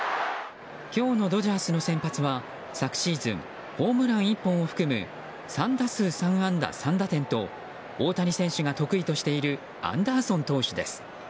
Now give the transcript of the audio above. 今日のドジャースの先発は昨シーズンホームラン１本を含む３打数３安打３打点と大谷選手が得意としているアンダーソン投手です。